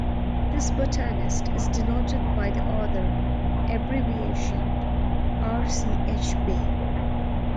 This botanist is denoted by the author abbreviation Rchb.